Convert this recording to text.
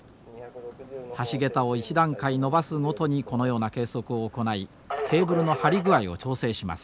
橋桁を１段階延ばすごとにこのような計測を行いケーブルの張り具合を調整します。